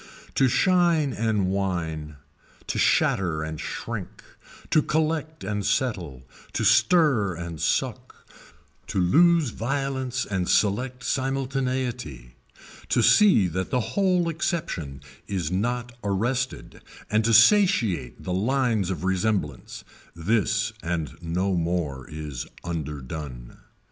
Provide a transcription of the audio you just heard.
To shine and whine, to shatter and shrink, to collect and settle, to stir and suck, to lose violence and select simultaneity, to see that the whole exception is not arrested and to satiate the lines of resemblance, this and no more is underdone.